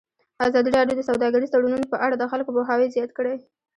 ازادي راډیو د سوداګریز تړونونه په اړه د خلکو پوهاوی زیات کړی.